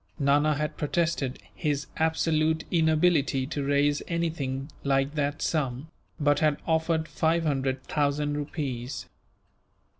Nana had protested his absolute inability to raise anything like that sum, but had offered five hundred thousand rupees.